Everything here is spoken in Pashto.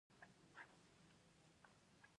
ازادي راډیو د سوله په اړه د ننګونو یادونه کړې.